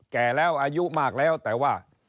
แก่แล้วอายุมากแล้วแต่ว่า